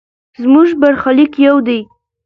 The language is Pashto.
زموږ برخلیک یو دی.